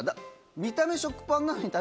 見た目食パンなのに。